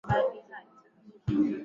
Ana methali nyingi.